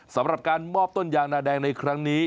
สำหรับการมอบต้นยางนาแดงในครั้งนี้